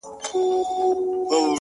د خپل ژوند عکس ته گوري؛